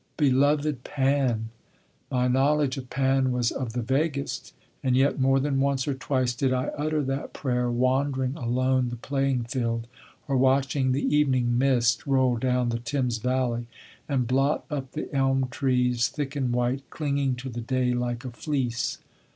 Beloved Pan! My knowledge of Pan was of the vaguest, and yet more than once or twice did I utter that prayer wandering alone the playing field, or watching the evening mist roll down the Thames Valley and blot up the elm trees, thick and white, clinging to the day like a fleece.